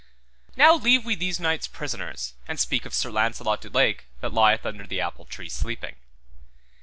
Now leave we these knights prisoners, and speak we of Sir Launcelot du Lake that lieth under the apple tree sleeping.